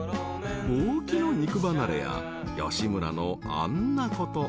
［大木の肉離れや吉村のあんなこと］